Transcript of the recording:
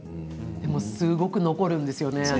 でも、すごく残るんですよね。